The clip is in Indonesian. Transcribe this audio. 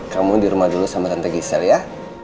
kamu di rumah dulu sama tante gisel ya